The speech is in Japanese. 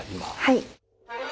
はい。